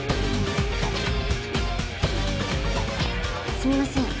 すみません。